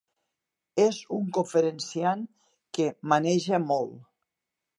És un conferenciant que maneja molt.